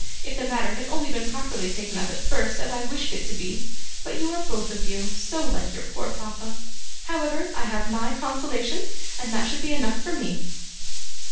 If the matter had only been properly taken up at first, as I wished it to be! But you are both of you so like your poor papa. However, I have MY consolation, and that should be enough for me!